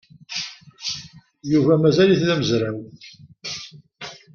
Yuba mazal-it d amezraw?